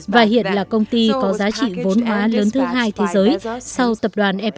và hiện là công ty có giá trị vốn hóa lớn thứ hai thế giới sau tập đoàn ep